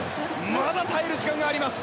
まだ耐える時間があります。